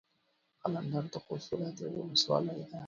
قلندر د خوست ولايت يوه ولسوالي ده.